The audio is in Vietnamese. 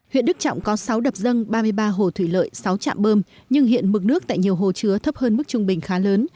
huyện đức trọng có sáu đập dân ba mươi ba hồ thủy lợi sáu trạm bơm nhưng hiện mực nước tại nhiều hồ chứa thấp hơn mức trung bình khá lớn